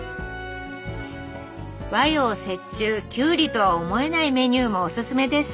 和洋折衷きゅうりとは思えないメニューもおすすめです。